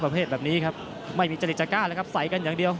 แปบแบบแบบนี้ครับไม่มีเจรติจากก้าห์นะครับใสกันอย่างเดียว